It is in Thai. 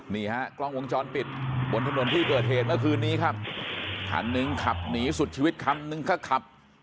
นี่ฮะกล้องวงจรปิดบนถนนที่เกิดเหตุเมื่อคืนนี้ครับคันหนึ่งขับหนีสุดชีวิตคันนึงก็ขับ